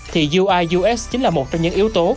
thì uius chính là một trong những yếu tố